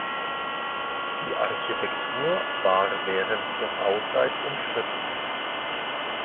Die Architektur war während der Bauzeit umstritten.